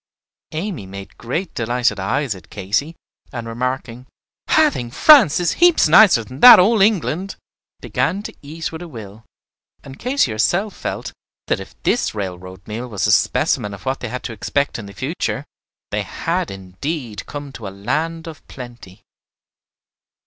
Amy made great delighted eyes at Katy, and remarking, "I think France is heaps nicer than that old England," began to eat with a will; and Katy herself felt that if this railroad meal was a specimen of what they had to expect in the future, they had indeed come to a land of plenty.